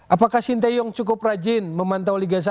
apakah sinteyong cukup rajin memantau liga satu